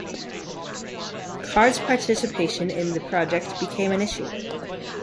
Card's participation in the project became an issue.